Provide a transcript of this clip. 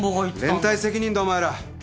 連帯責任だお前ら。